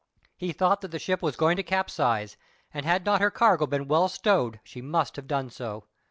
He thought that the ship was going to capsize, and had not her cargo been well stowed she must have done so.